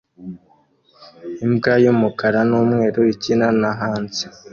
Imbwa y'umukara n'umweru ikina na hanze